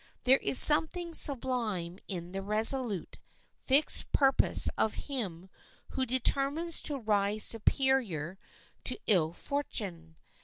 There is something sublime in the resolute, fixed purpose of him who determines to rise superior to ill fortune.